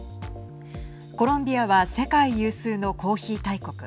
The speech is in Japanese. コロンビアは世界有数のコーヒー大国。